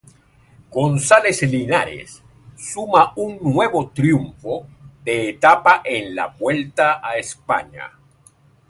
González Linares suma un nuevo triunfo de etapa en la Vuelta a España.